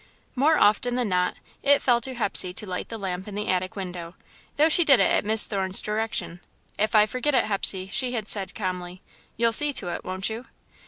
More often than not, it fell to Hepsey to light the lamp in the attic window, though she did it at Miss Thorne's direction. "If I forget it, Hepsey," she had said, calmly, "you'll see to it, won't you?"